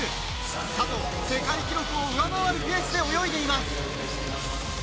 佐藤、世界記録を上回るペースで泳いでいます。